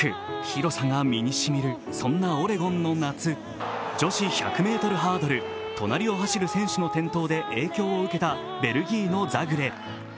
広さが身にしみる、そんなオレゴンの夏、女子１００ｍハードル隣を走る選手の転倒で影響を受けたベルギーのザグレ。